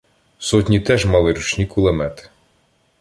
Сотні теж мали ручні кулемети.